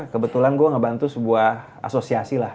kebetulan gue ngebantu sebuah asosiasi lah